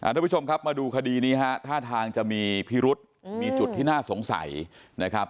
ทุกผู้ชมครับมาดูคดีนี้ฮะท่าทางจะมีพิรุษมีจุดที่น่าสงสัยนะครับ